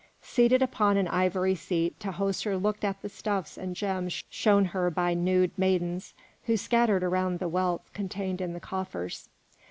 Seated upon an ivory seat, Tahoser looked at the stuffs and gems shown her by nude maidens, who scattered around the wealth contained in the coffers.